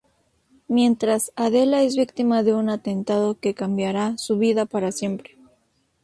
Mientras, Adela es víctima de un atentado que cambiará su vida para siempre.